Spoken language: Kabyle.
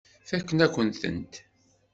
Fakken-akent-tent.